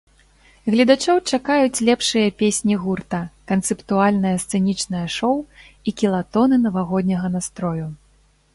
Гледачоў чакаюць лепшыя песні гурта, канцэптуальнае сцэнічнае шоў і кілатоны навагодняга настрою.